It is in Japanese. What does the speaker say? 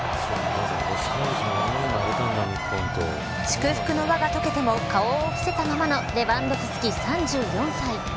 祝福の輪がとけても顔を伏せたままのレヴァンドフスキ、３４歳。